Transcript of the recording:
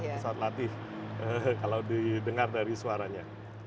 pesawat latih kalau didengar dari suaranya